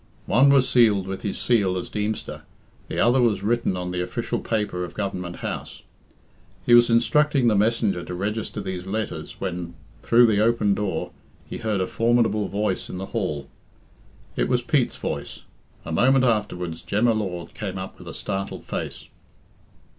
One was sealed with his seal as Deemster; the other was written on the official paper of Government House. He was instructing the messenger to register these letters when, through the open door, he heard a formidable voice in the hall. It was Pete's voice. A moment afterwards Jem y Lord came up with a startled face.